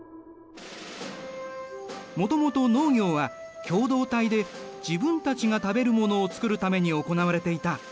もともと農業は共同体で自分たちが食べるものをつくるために行われていた。